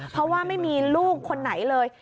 เพราะว่าไม่มีลูกคนไหนเลย